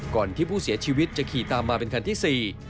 ก่อนที่ผู้เสียชีวิตจะขี่ตามมาเป็นคันที่๔